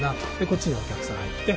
こっちにお客さん入って。